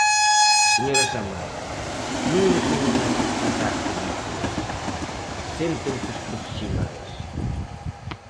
Señora Samar, non nos veñan aquí contar películas, senten cos profesionais.